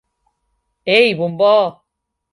Ei, bombó!